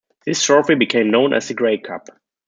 This trophy became known as the Grey Cup.